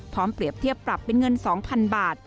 เปรียบเทียบปรับเป็นเงิน๒๐๐๐บาท